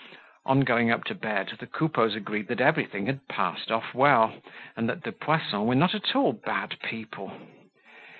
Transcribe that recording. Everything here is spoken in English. On going up to bed, the Coupeaus agreed that everything had passed off well and that the Poissons were not at all bad people.